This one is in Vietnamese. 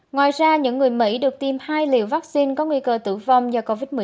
ngoài ra những người mỹ được tiêm hai liều vaccine có nguy cơ tử vong do covid một mươi chín